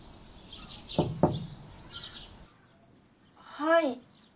・はい。